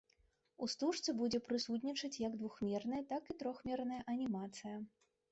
У стужцы будзе прысутнічаць як двухмерная, так і трохмерная анімацыя.